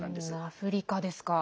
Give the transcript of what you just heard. アフリカですか。